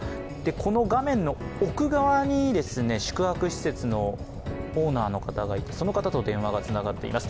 この画面の奥側に宿泊施設のオーナーの方がいて、その方と電話がつながっています。